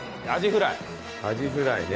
アジフライね。